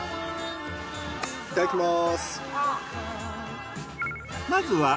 いただきます。